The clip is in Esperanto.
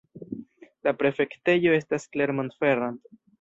La prefektejo estas Clermont-Ferrand.